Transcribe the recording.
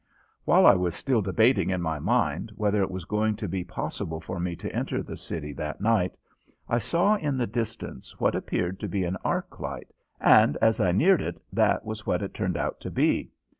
While I was still debating in my mind whether it was going to be possible for me to enter the city that night, I saw in the distance what appeared to be an arc light, and as I neared it that was what it turned out to be.